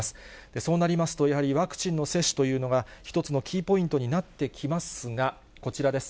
そうなりますと、やはりワクチンの接種というのが、一つのキーポイントになってきますが、こちらです。